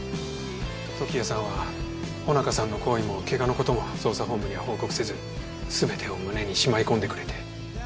時矢さんは尾中さんの行為も怪我の事も捜査本部には報告せず全てを胸にしまい込んでくれて。